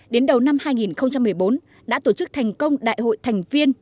đến đầu năm hai nghìn một mươi bốn đã tổ chức thành công đại hội thành viên